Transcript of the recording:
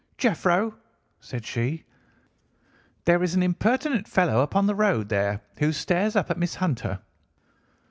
"'Jephro,' said she, 'there is an impertinent fellow upon the road there who stares up at Miss Hunter.